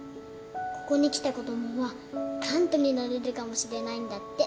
ここに来た子供はカントになれるかもしれないんだって。